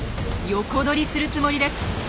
横取りするつもりです。